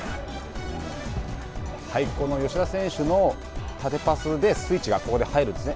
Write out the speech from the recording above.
この吉田選手の縦パスでスイッチがここで入るんですよね。